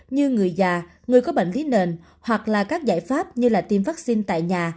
như người già người có bệnh lý nền hoặc là các giải pháp như là tiêm vaccine tại nhà